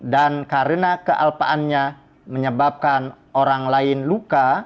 dan karena kealpaannya menyebabkan orang lain luka